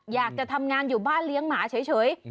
อยากจะทำงานอยู่บ้านเลี้ยงหมาเฉย